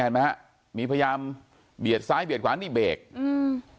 ไหมฮะมีพยายามเบียดซ้ายเบียดขวานี่เบรกอืม